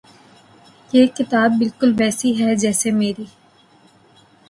یہ کتاب بالکل ویسی ہے جیسی میری